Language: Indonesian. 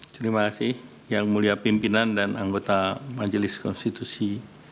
terima kasih yang mulia pimpinan dan anggota majelis konstitusi